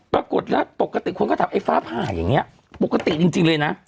ปรากฏแล้วปกติคนก็ถามไอ้ฟ้าผ่าอย่างนี้ปกติจริงเลยนะ